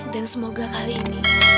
dan semoga kali ini